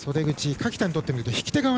垣田にとって引き手側。